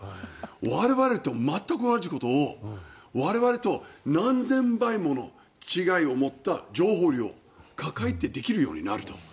我々と全く同じことを我々と何千倍もの違いを持った情報量を抱えてできるようになると。